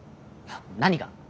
何が？